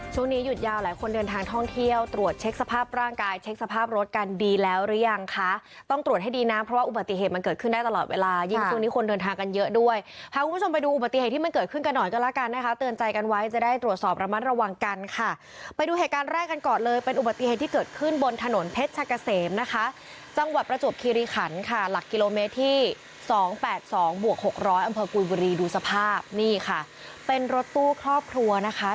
ช่วงนี้หยุดยาวหลายคนเดินทางท่องเที่ยวตรวจเช็คสภาพร่างกายเช็คสภาพรถกันดีแล้วหรือยังคะต้องตรวจให้ดีนะเพราะว่าอุบัติเหตุมันเกิดขึ้นได้ตลอดเวลายิ่งช่วงนี้คนเดินทางกันเยอะด้วยพาคุณผู้ชมไปดูอุบัติเหตุที่มันเกิดขึ้นกันหน่อยก็ละกันนะคะเตือนใจกันไว้จะได้ตรวจสอบระมัดระว